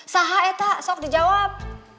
sahak eta sok dijawab